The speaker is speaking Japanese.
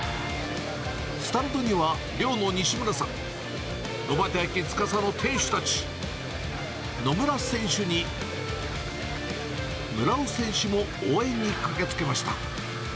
スタンドには、寮の西村さん、ろばた焼司の店主たち、野村選手に、村尾選手も応援に駆けつけました。